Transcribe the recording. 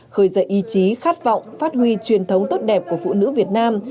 khởi dạy ý chí khát vọng phát huy truyền thống tốt đẹp của phụ nữ việt nam